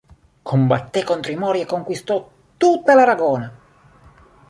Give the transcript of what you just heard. Combatté contro i Mori e conquistò tutta l'Aragona.